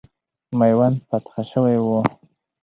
میوند فتح سوی وو.